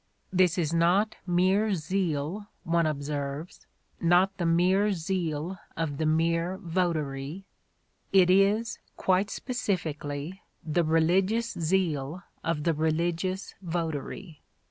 This is not mere zeal, one observes, not the mere zeal of the mere votary ; it is, quite specifically, the religious zeal of the religious votary.